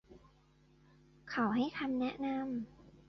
เขาให้คำแนะนำ